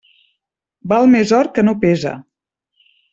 Val més or que no pesa.